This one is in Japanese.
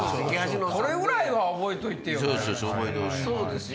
それぐらいは覚えといてよ。